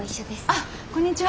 あっこんにちは。